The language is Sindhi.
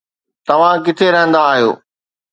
توهان ڪٿي رهندا آهيو